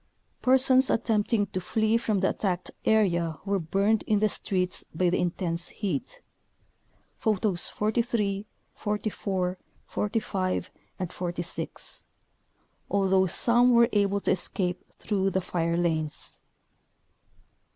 Persons attempting to flee from the attacked area were burned in the streets by the intense heat (Photos 43, 44, 45, and 46) , although some were able to escape through the fire lanes.